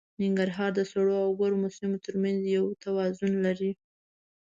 ننګرهار د سړو او ګرمو سیمو تر منځ یو توازن لري.